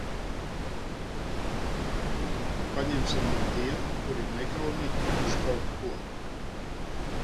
Paņemsim no tiem, kuri ir nekaunīgi guvuši kaut ko.